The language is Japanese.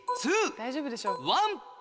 大丈夫でしょ。